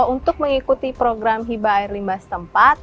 untuk mengikuti program hiba air limbah setempat